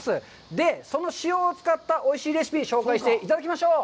で、その塩を使ったおいしいレシピ紹介していただきましょう。